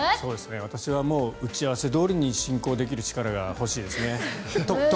私はもう打ち合わせどおりに進行できる力が欲しいですね。